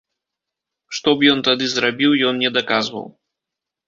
Што б ён тады зрабіў, ён не даказваў.